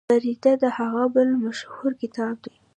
بریده د هغه بل مشهور کتاب دی.